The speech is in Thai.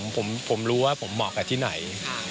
ผมรู้ว่าผมเหมาะกับที่ไหน